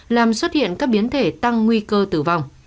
làm xuất hiện các biến thể tăng nguy cơ tử vong